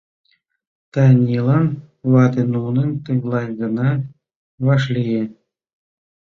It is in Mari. Танилан вате нуным тыглай гына вашлие.